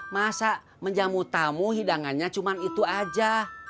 masa menjamu tamu hidangannya cuma itu aja